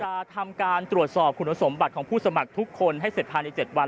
จะทำการตรวจสอบคุณสมบัติของผู้สมัครทุกคนให้เสร็จภายใน๗วัน